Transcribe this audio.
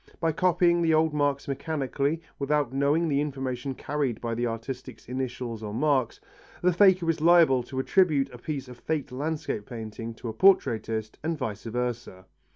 By copying the old marks mechanically without knowing the information carried by the artist's initials or marks, the faker is liable to attribute a piece of faked landscape painting to a portraitist and vice versa.